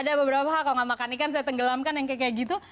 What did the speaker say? ada beberapa hal kalau nggak makan ikan saya tenggelamkan yang kayak kayak gitu